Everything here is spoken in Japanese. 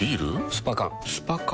スパ缶スパ缶？